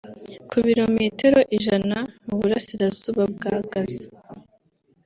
ku birometero ijana mu burasirazuba bwa Gaza